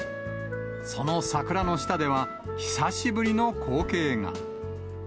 その桜の下では、久しぶりの光景が。